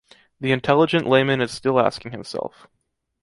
The intelligent layman is still asking himself.